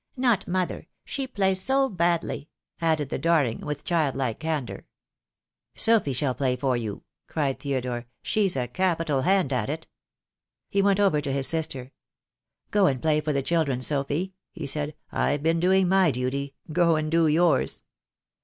Not mother, she plays so badly," added the darling, with child like candour. "Sophy shall play for you," cried Theodore, "she's a capital hand at it." He went over to his sister. "Go and play for the children, Sophy," he said. "I've been doing my duty. Go and do yours."